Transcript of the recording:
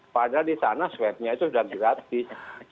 padahal disana swabnya itu sudah gratis